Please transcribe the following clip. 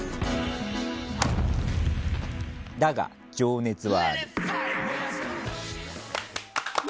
「だが、情熱はある」。